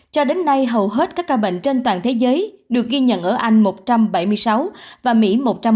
cho đến nay hầu hết các ca bệnh trên toàn thế giới được ghi nhận ở anh một trăm bảy mươi sáu và mỹ một trăm linh